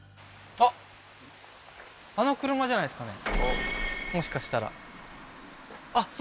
あの車じゃないですかね